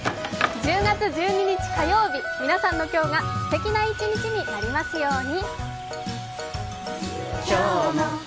１０月１２日火曜日、皆さんの今日がすてきな一日になりますように。